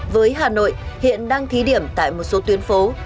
với hà nội hiện đang thí điểm tại một số tuyến phố